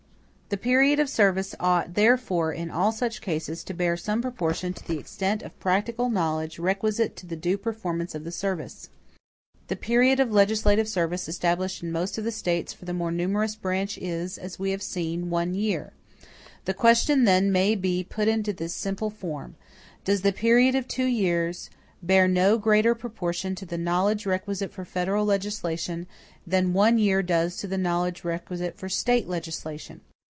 The period of service, ought, therefore, in all such cases, to bear some proportion to the extent of practical knowledge requisite to the due performance of the service. The period of legislative service established in most of the States for the more numerous branch is, as we have seen, one year. The question then may be put into this simple form: does the period of two years bear no greater proportion to the knowledge requisite for federal legislation than one year does to the knowledge requisite for State legislation?